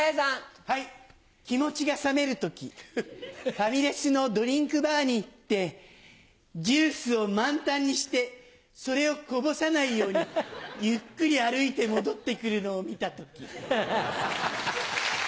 ファミレスのドリンクバーに行ってジュースを満タンにしてそれをこぼさないようにゆっくり歩いて戻ってくるのを見た時。